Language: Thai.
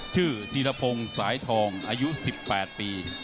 ธีรพงศ์สายทองอายุ๑๘ปี